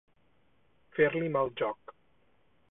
Fer-li mal joc.